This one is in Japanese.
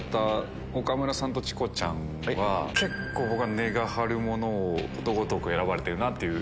岡村さんとチコちゃんは結構値が張るものをことごとく選ばれてるなという。